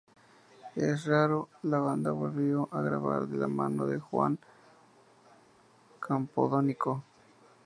En "Raro" la banda volvió a grabar de la mano de Juan Campodónico.